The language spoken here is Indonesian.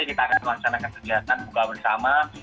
kita akan melaksanakan kegiatan buka bersama